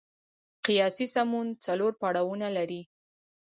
قیاسي سمون څلور پړاوونه لري.